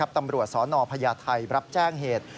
ตำรวจสนพญาไทยรับแจ้งเหตุ